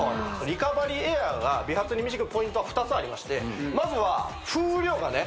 リカバリーエアーが美髪に導くポイントは２つありましてまずは風量がね